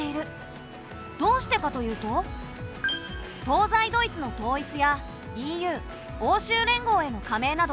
どうしてかというと東西ドイツの統一やＥＵ欧州連合への加盟など。